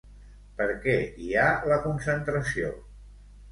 Per què hi ha la concentració?